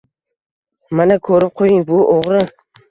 Mana, ko`rib qo`ying bu o`g`ri